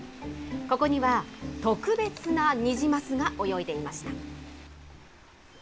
ここには特別なニジマスが泳いでいました。